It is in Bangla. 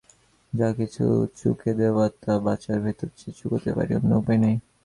যা-কিছু চুকিয়ে দেবার তা বাঁচার ভিতর দিয়েই চুকোতে পারি– অন্য উপায় নেই।